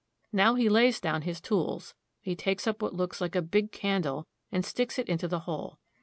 Now he lays down his tools. He takes up what looks like a big candle, and sticks it into the hole.